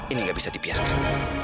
ini gak bisa dipiarkan